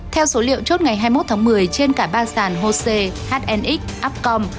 theo số liệu chốt ngày hai mươi một tháng một mươi trên cả ba sàn hose hnx upcom